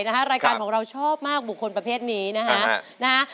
รายการของเราชอบมากบุคคลประเภทนี้นะฮะ